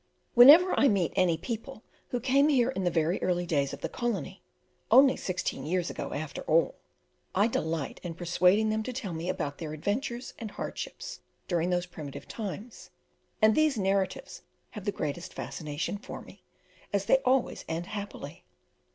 Whenever I meet any people who came here in the very early days of the colony only sixteen years ago, after all! I delight in persuading them to tell me about their adventures and hardships during those primitive times, and these narratives have the greatest fascination for me, as they always end happily.